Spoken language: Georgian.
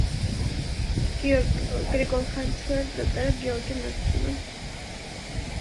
რატცელის მიერ შემოთავაზებული კონცეფციის თანახმად, გერმანიისათვის საკმარისი სივრცე შესაძლოა გამხდარიყო შუა ევროპა.